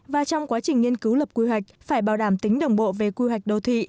và trong quá trình nghiên cứu lập quy hoạch phải bảo đảm tính đồng bộ về quy hoạch đô thị